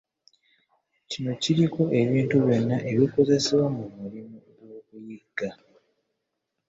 Kino kiriko ebintu byonna ebikozesebwa mu mulimu gw’okuyigga.